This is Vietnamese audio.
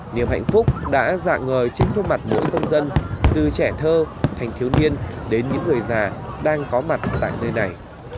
niềm hạnh phúc đã dạng ngời trên khuôn mặt mỗi công dân từ trẻ thơ thành thiếu niên đến những người già đang có mặt tại nơi này